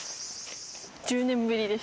１０年ぶりです。